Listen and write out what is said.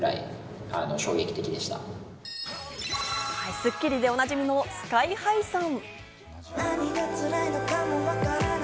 『スッキリ』でおなじみのＳＫＹ−ＨＩさん。